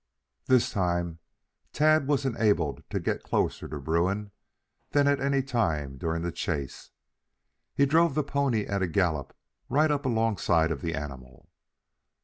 This time Tad was enabled to get closer to Bruin than at any time during the chase. He drove the pony at a gallop right up alongside of the animal.